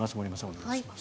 お願いします。